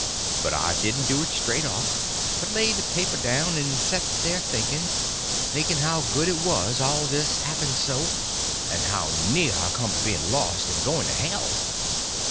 But I didn't do it straight off, but laid the paper down and set there thinking—thinking how good it was all this happened so, and how near I come to being lost and going to hell.